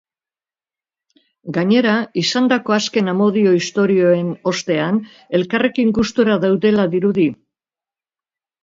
Gainera, izandako azken amodio istorioen ostean, elkarrekin gustura daudela dirudi.